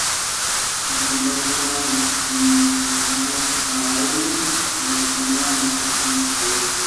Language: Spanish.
La uva es referida como St.